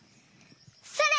それ！